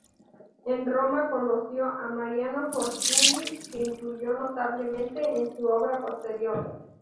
En Roma conoció a Mariano Fortuny que influyó notablemente en su obra posterior.